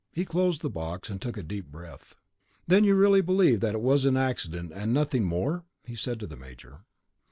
He closed the box and took a deep breath. "Then you really believe that it was an accident and nothing more?" he said to the major.